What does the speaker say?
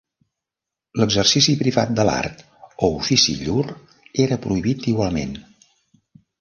L'exercici privat de l'art o ofici llur era prohibit igualment.